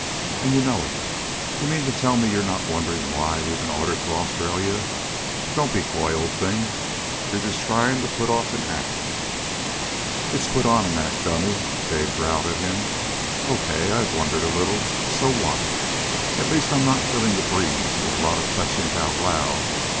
And you know it! You mean to tell me you're not wondering why we've been ordered to Australia? Don't be coy, old thing! You're just trying to put off an act!" "It's put on an act, dummy!" Dave growled at him. "Okay, I have wondered a little. So what? At least I'm not filling the breeze with a lot of questions out loud.